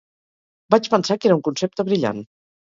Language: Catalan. Vaig pensar que era un concepte brillant.